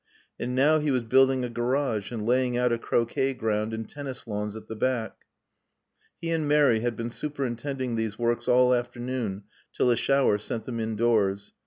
And now he was building a garage and laying out a croquet ground and tennis lawns at the back. He and Mary had been superintending these works all afternoon till a shower sent them indoors.